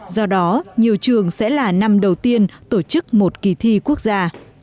do đó nhiều trường sẽ là năm đầu tiên tổ chức một kỳ thi quốc gia